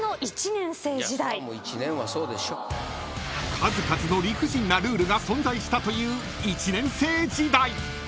［数々の理不尽なルールが存在したという１年生時代］